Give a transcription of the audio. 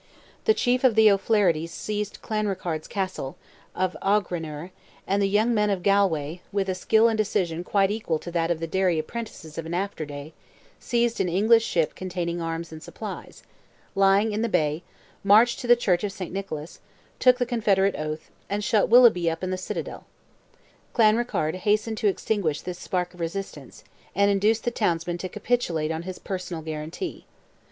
The chief of the O'Flahertys seized Clanrickarde's castle, of Aughrenure, and the young men of Galway, with a skill and decision quite equal to that of the Derry apprentices of an after day, seized an English ship containing arms and supplies, lying in the bay, marched to the Church of Saint Nicholas, took the Confederate oath, and shut Willoughby up in the citadel. Clanrickarde hastened to extinguish this spark of resistance, and induced the townsmen to capitulate on his personal guarantee.